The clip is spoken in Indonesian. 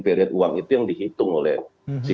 period uang itu yang dihitung oleh si